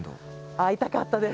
会いたかったです。